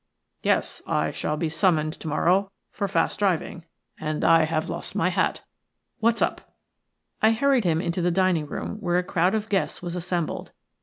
"Yes, I shall be summoned to morrow for fast driving, and I have lost my hat. What's up?" I hurried him into the dining room, where a crowd of guests was assembled.